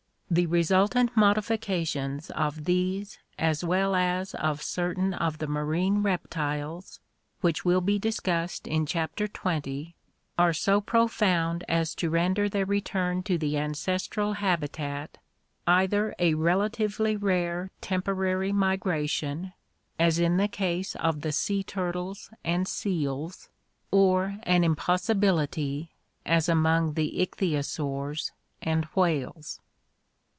The resultant modifications of these as well as of certain of the marine reptiles, which will be discussed in Chapter XX, are so profound as to render their return to the ancestral habitat either a relatively rare temporary migration, as in the case of the sea turtles and seals, or an impossibility, as among the ichthyosaurs and whales.